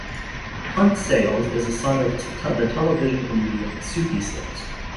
Hunt Sales is a son of the television comedian Soupy Sales.